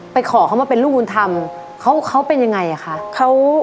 ขอเขามาเป็นลูกบุญธรรมเขาเป็นยังไงอ่ะคะ